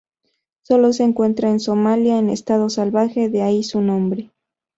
Sólo se encuentra en Somalia en estado salvaje, de ahí su nombre.